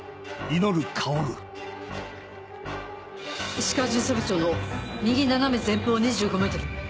石川巡査部長の右斜め前方２５ｍ。